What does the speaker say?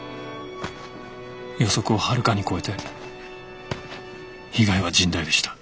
予測をはるかに超えて被害は甚大でした。